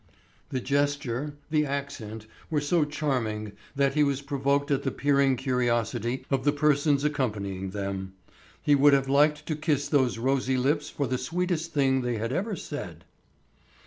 The gesture, the accent were so charming that he was provoked at the peering curiosity of the persons accompanying them. He would have liked to kiss those rosy lips for the sweetest thing they had ever said.